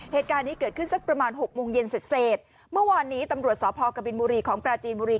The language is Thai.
เหตุการณ์นี้เกิดขึ้นสักประมาณหกโมงเย็นเสร็จเสร็จเมื่อวานนี้ตำรวจสพกบินบุรีของปราจีนบุรี